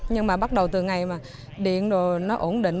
nhưng mà bắt đầu từ ngày mà điện nó ổn định